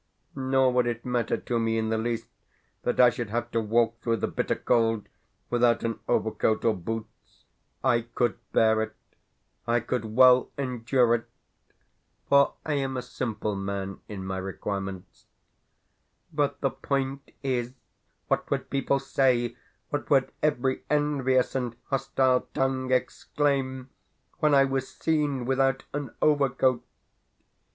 Nor would it matter to me in the least that I should have to walk through the bitter cold without an overcoat or boots I could bear it, I could well endure it, for I am a simple man in my requirements; but the point is what would people say, what would every envious and hostile tongue exclaim, when I was seen without an overcoat?